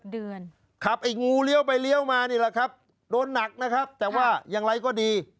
เดือนขับไอ้งูเลี้ยวไปเลี้ยวมานี่แหละครับโดนหนักนะครับแต่ว่าอย่างไรก็ดี